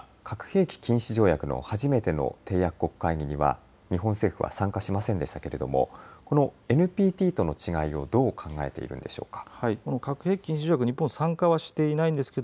６月に開かれた核兵器禁止条約の初めての締約国会議には日本政府は参加しませんでしたけれどもこのＮＰＴとの違いをどう考えているんでしょうか。